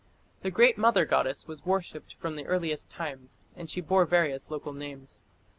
The Great Mother goddess was worshipped from the earliest times, and she bore various local names.